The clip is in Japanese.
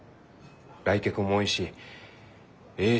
来客も多いしえい